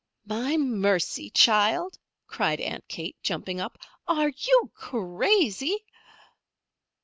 "My mercy, child!" cried Aunt Kate, jumping up. "Are you crazy?"